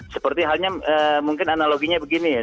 seperti halnya mungkin analoginya begini ya